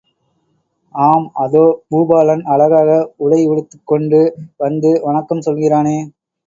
ஆம் அதோ பூபாலன் அழகாக உடை உடுத்துக் கொண்டு வந்து வணக்கம் சொல்கிறானே!